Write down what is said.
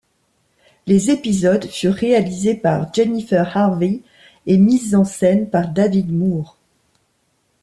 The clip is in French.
Les épisodes furent réalisées par Jennifer Harvey et mises en scène par David Moore.